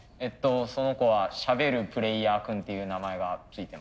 その子はしゃべるプレーヤー君っていう名前が付いてます。